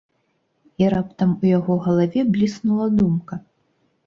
І раптам у яго галаве бліснула думка.